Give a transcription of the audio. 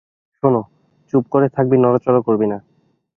শোন, চুপ করে থাকবি নড়াচড়া করবি না।